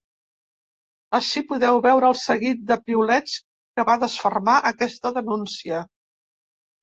Ací podeu veure el seguit de piulets que va desfermar aquesta denúncia.